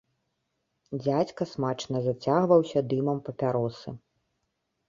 Дзядзька смачна зацягнуўся дымам папяросы.